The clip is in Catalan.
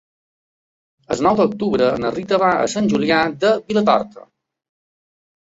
El nou d'octubre na Rita va a Sant Julià de Vilatorta.